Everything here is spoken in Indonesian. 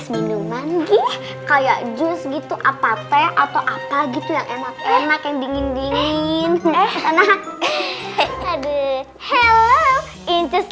minuman kayak jus gitu apa atau apa gitu yang enak enak yang dingin dingin